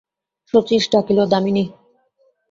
শচীশ ডাকিল, দামিনী!